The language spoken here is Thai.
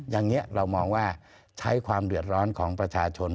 อย่างนี้เรามองว่าใช้ความเดือดร้อนของประชาชน